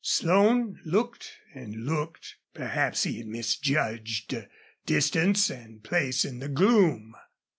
Slone looked and looked. Perhaps he had misjudged distance and place in the gloom.